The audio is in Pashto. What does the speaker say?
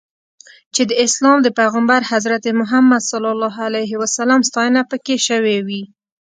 چې د اسلام د پیغمبر حضرت محمد ستاینه پکې شوې وي.